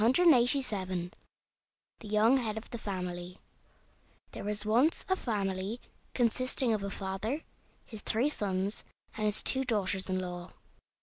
THE YOUNG HEAD OF THE FAMILY There was once a family consisting of a father, his three sons, and his two daughters in law.